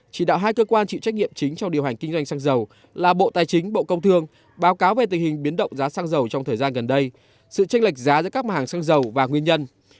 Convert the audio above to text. chỉ đạo hai cơ quan chịu trách nhiệm chính trong điều hành kinh doanh xăng dầu là bộ tài chính bộ công thương báo cáo về tình hình biến động giá xăng dầu trong thời gian gần đây sự tranh lệch giá giữa các hàng xăng dầu và nguyên nhân